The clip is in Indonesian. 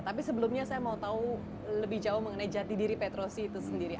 tapi sebelumnya saya mau tahu lebih jauh mengenai jati diri petrosi itu sendiri